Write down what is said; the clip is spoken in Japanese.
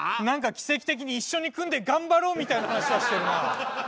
何か奇跡的に一緒に組んで頑張ろうみたいな話はしてるな。